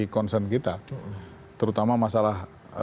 concern kita terutama masalah